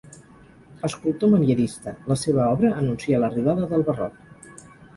Escultor manierista, la seva obra anuncia l'arribada del barroc.